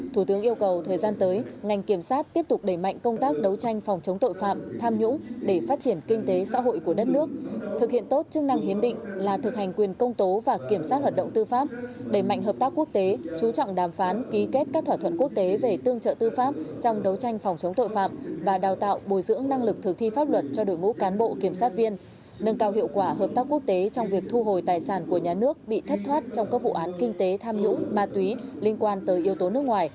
thủ tướng yêu cầu thời gian tới ngành kiểm sát tiếp tục đẩy mạnh công tác đấu tranh phòng chống tội phạm tham nhũ để phát triển kinh tế xã hội của đất nước thực hiện tốt chức năng hiến định là thực hành quyền công tố và kiểm sát hoạt động tư pháp đẩy mạnh hợp tác quốc tế chú trọng đàm phán ký kết các thỏa thuận quốc tế về tương trợ tư pháp trong đấu tranh phòng chống tội phạm và đào tạo bồi dưỡng năng lực thực thi pháp luật cho đội ngũ cán bộ kiểm sát viên nâng cao hiệu quả hợp tác quốc tế trong